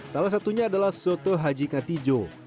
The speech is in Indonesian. salah satunya adalah soto haji katijo